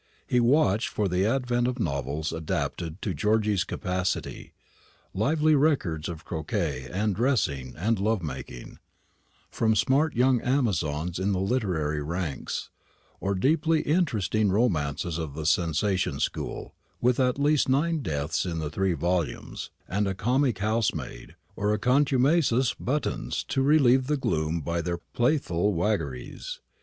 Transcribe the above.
He watched for the advent of novels adapted to Georgy's capacity lively records of croquet and dressing and love making, from smart young Amazons in the literary ranks, or deeply interesting romances of the sensation school, with at least nine deaths in the three volumes, and a comic housemaid, or a contumacious "Buttons," to relieve the gloom by their playful waggeries.